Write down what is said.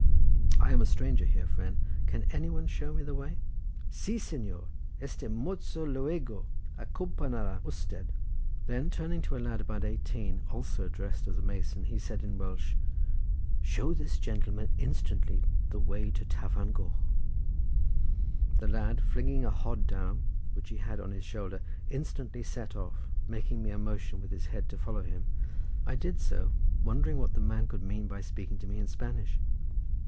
"I am a stranger here, friend, can anybody show me the way?" "Si Señor! este mozo luego acompañara usted." Then turning to a lad of about eighteen, also dressed as a mason, he said in Welsh: "Show this gentleman instantly the way to Tafarn Goch." The lad flinging a hod down, which he had on his shoulder, instantly set off, making me a motion with his head to follow him. I did so, wondering what the man could mean by speaking to me in Spanish.